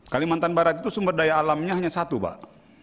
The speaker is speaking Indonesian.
kalimantan barat itu sumber daya alamnya hanya satu pak